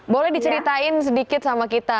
boleh diceritain sedikit sama kita